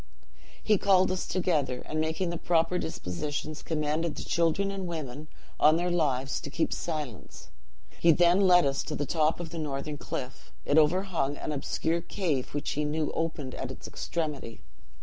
"He called us together, and making the proper dispositions, commanded the children and women, on their lives, to keep silence. He then led us to the top of the northern cliff; it overhung an obscure cave which he knew opened at its extremity.